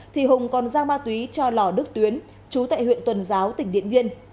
thì hùng còn giao ma túy cho lò đức tuyến chú tại huyện tuần giáo tỉnh điện biên